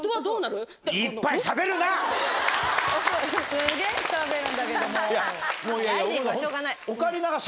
すげぇしゃべるんだけどもう。